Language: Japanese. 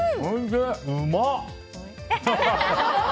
うまっ！